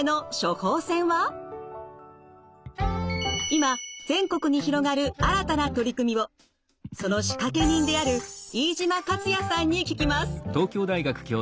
今全国に広がる新たな取り組みをその仕掛け人である飯島勝矢さんに聞きます。